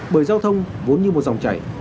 bởi giao thông vốn như một dòng chảy